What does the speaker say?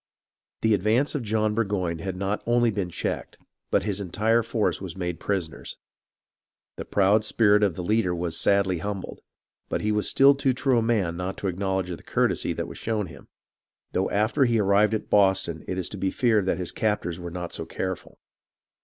The advance of John Burgoyne had not only been checked, but his entire force was made prisoners. The proud spirit of the leader was sadly humbled, but he was still too true a man not to acknowledge the courtesy that was shown him ; though after he arrived at Boston it is to be feared his captors were not so careful.